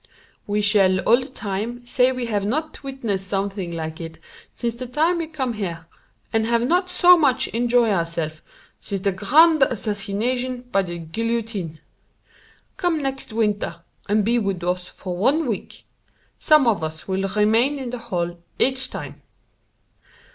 We shall all the time say we have not witness something like it since the time we come here, and have not so much enjoy ourselves since the grand assassination by the guillotine. Come next winter and be with us for one week. Some of us will remain in the hall each time."